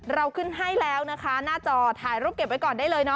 เราขึ้นให้แล้วนะคะหน้าจอถ่ายรูปเก็บไว้ก่อนได้เลยเน